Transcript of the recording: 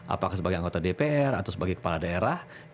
apakah sebagai anggota dpr atau sebagai kepala daerah